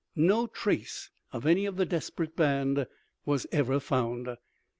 No trace of any of the desperate band was ever found.